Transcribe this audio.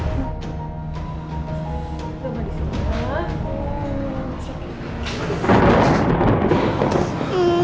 enggak mau disini